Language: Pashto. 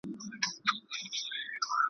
سپورټ بدن قوي ساتي.